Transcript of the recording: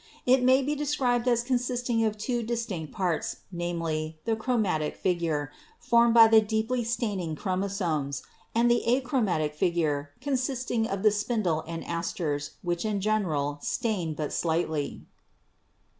It may be described as consisting of two distinct parts, namely, the chromatic figure, formed by the deeply stain ing chromosomes ; and the achromatic figure, consisting of the spindle and asters which in general stain but slightly.